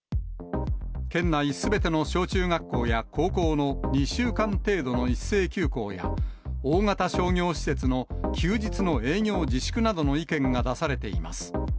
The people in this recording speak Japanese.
県内すべての小中学校や高校の２週間程度の一斉休校や、大型商業施設の休日の営業自粛などの意見が出されています。